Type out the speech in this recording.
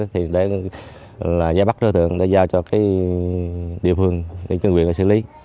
thì để là giá bắt trở thượng để giao cho cái địa phương địa phương quyền để xử lý